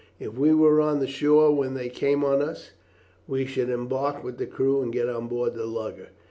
If we were on the shore when they came on us we should embark with the crew and get on board the lugger.